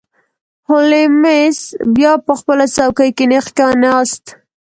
هولمز بیا په خپله څوکۍ کې نیغ کښیناست.